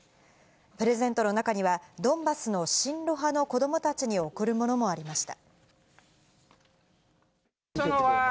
プレゼントの中には、ドンバスの親ロ派の子どもたちに贈るものもありました。